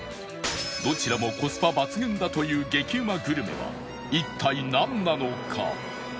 どちらもコスパ抜群だという激うまグルメは一体なんなのか？